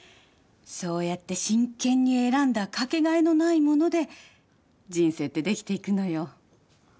そうやって真剣に選んだ掛け替えのないもので人生ってできていくのよ。